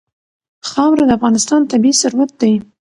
خاوره د افغانستان طبعي ثروت دی.